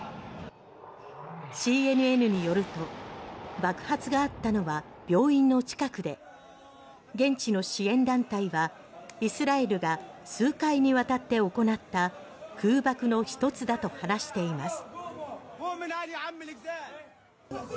ＣＮＮによると爆発があったのは病院の近くで現地の支援団体はイスラエルが数回にわたって行った空爆の１つだと話しています。